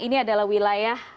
ini adalah wilayah